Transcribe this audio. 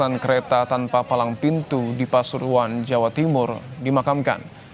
menggunakan kereta tanpa palang pintu di pasuruan jawa timur dimakamkan